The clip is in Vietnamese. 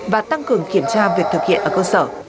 và tăng cường kiểm tra việc thực hiện ở cơ sở